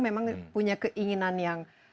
memang punya keinginan yang